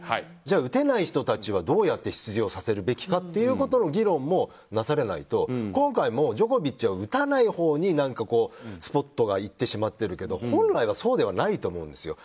じゃあ打てない人たちはどうやって出場させるべきかということの議論もなされないと今回もジョコビッチは打たないほうにスポットがいってしまっているけど本来はそうではないと思うんです。